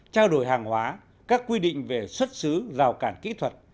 trao đổi hàng hóa các quy định về xuất xứ rào cản kỹ thuật